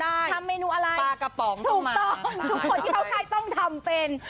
ทำได้ทำเมนูอะไรปลากระป๋องต้องมาถูกต้องทุกคนที่เขาใครต้องทำเป็น